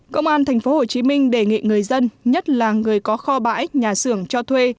công an tp hcm đề nghị người dân nhất là người có kho bãi nhà xưởng cho thuê